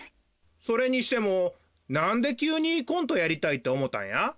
それにしてもなんできゅうにコントやりたいっておもたんや？